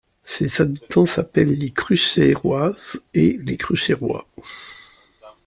Ses habitants s'appellent les Cruchéroises et les Cruchérois.